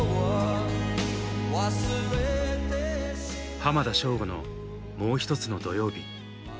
浜田省吾の「もうひとつの土曜日」。